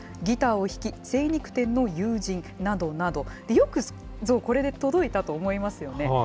ギターを弾き、精肉店の友人などなど、よくぞこれで届いたと思いますよね。